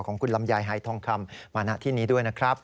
ของคุณลำไยหายทองคำมาณที่นี้ด้วยนะครับ